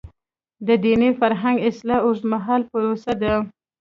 د دیني فرهنګ اصلاح اوږدمهاله پروسه ده.